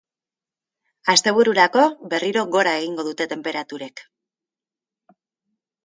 Astebururako, berriro gora egingo dute tenperaturek.